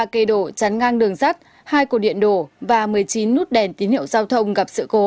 ba cây đổ chắn ngang đường sắt hai cổ điện đổ và một mươi chín nút đèn tín hiệu giao thông gặp sự cố